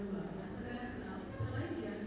masih menurut saya